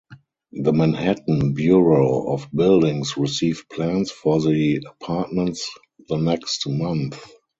The Manhattan Bureau of Buildings received plans for the apartments the next month.